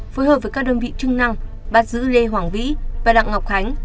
phối hợp với các đơn vị chức năng bắt giữ lê hoàng vĩ và đặng ngọc khánh